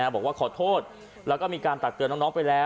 บอกว่าขอโทษแล้วก็มีการตักเตือนน้องไปแล้ว